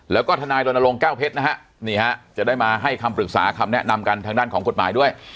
แล้วก็ทนายรณรงค์แก้วเพชรนะฮะนี่ฮะจะได้มาให้คำปรึกษาคำแนะนำกันทางด้านของกฎหมายด้วย